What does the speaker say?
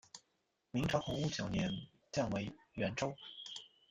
明朝洪武九年降为沅州。